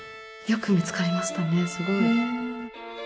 よく見つかりましたねすごい。